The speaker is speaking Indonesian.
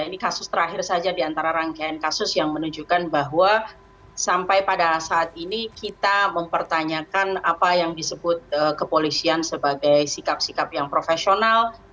ini kasus terakhir saja di antara rangkaian kasus yang menunjukkan bahwa sampai pada saat ini kita mempertanyakan apa yang disebut kepolisian sebagai sikap sikap yang profesional